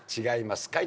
違います。